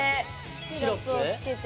シロップをつけて。